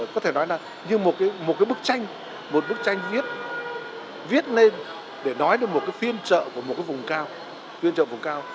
có thể nói là như một bức tranh một bức tranh viết lên để nói được một phiên chợ của một vùng cao